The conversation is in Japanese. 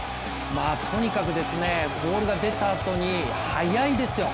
とにかくボールが出たあと、速いですよ。